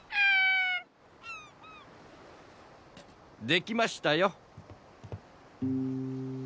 できましたよ。